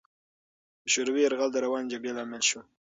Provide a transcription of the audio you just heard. د شوروي یرغل د روانې جګړې لامل شو.